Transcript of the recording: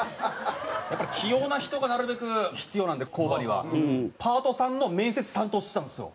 やっぱり器用な人がなるべく必要なんで工場には。パートさんの面接担当してたんですよ。